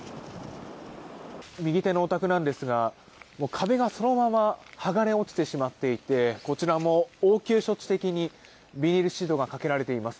右手のお宅なんですが壁がそのまま剥がれ落ちてしまっていてこちらも、応急処置的にビニールシートがかけられています。